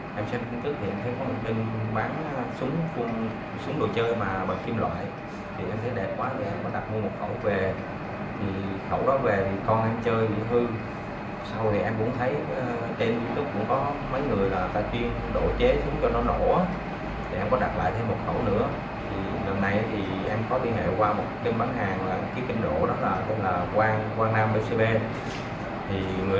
kính thưa quý vị liên quan vụ việc một đối tượng tự đặt mua súng đồ chơi